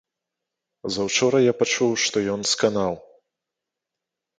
Заўчора я пачуў, што ён сканаў.